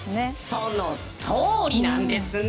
そのとおりです！